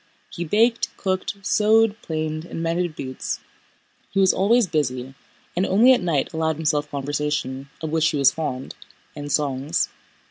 He baked, cooked, sewed, planed, and mended boots. He was always busy, and only at night allowed himself conversation—of which he was fond—and songs.